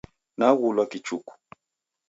Naghulwa Kikuchu.